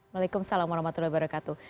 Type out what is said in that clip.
waalaikumsalam warahmatullahi wabarakatuh